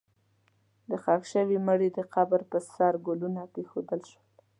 د ښخ شوي مړي د قبر پر سر ګلونه کېښودل شول.